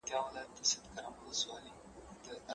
نن هغه خبره اورو چي چا نه کوله سپینه